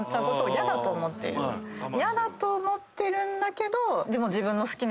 ヤダと思ってるんだけどでも。